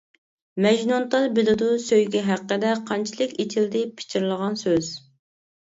مەجنۇنتال بىلىدۇ سۆيگۈ ھەققىدە قانچىلىك ئېچىلدى پىچىرلىغان سۆز.